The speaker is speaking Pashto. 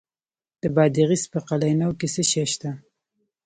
د بادغیس په قلعه نو کې څه شی شته؟